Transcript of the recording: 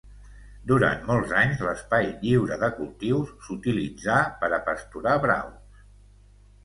Durant molts anys l'espai lliure de cultius s'utilitzà per a pasturar braus.